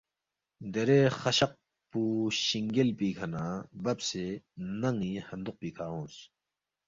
دیرے خشق پو شِنگیل پیکھہ نہ ببسے نن٘ی ہندوق پیکھہ اونگس